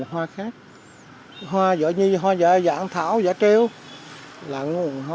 hoặc là cho nên sử dụng hoặc trị kiểm núi có thể ích cho những con người gì đó